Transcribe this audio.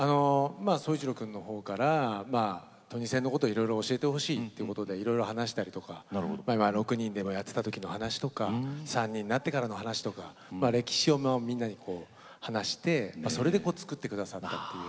まあ総一郎君のほうからトニセンのことをいろいろ教えてほしいってことでいろいろ話したりとか６人でもやってた時の話とか３人になってからの話とか歴史をみんなに話してそれで作って下さったっていう。